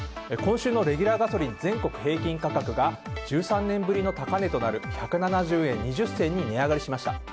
今週のレギュラーガソリン全国平均価格が１３年ぶりの高値となる１７０円２０銭に値上がりしました。